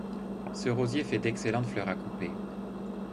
Ce rosier fait d'excellentes fleurs à couper.